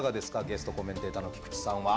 ゲストコメンテーターの菊地さんは。